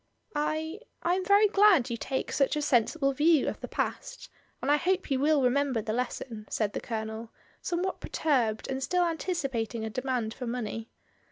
"I — I am very glad you take such a sensible view of the past, and I hope you will remember the lesson," said the Colonel, somewhat perturbed and still anticipating a demand for money.